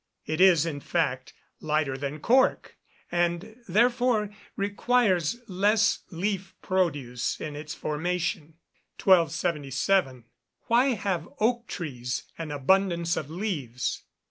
It is, in fact, lighter than cork, and, therefore, requires less leaf produce in its formation. 1277. _Why have oak trees an abundance of leaves?